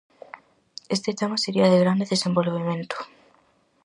Este tema sería de grande desenvolvemento.